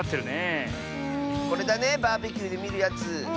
これだねバーベキューでみるやつ。